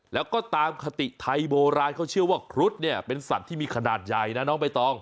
แล้วก็ตามคติไทยโบราณเขาเชื่อว่าครุฑเนี่ยเป็นสัตว์ที่มีขนาดใหญ่นะน้องใบตอง